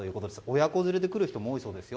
親子連れで来る人も多いそうですよ。